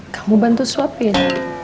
kamu bantu suapin